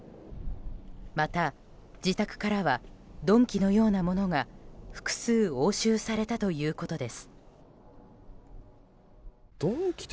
また、自宅からは鈍器のようなものが複数押収されたということです。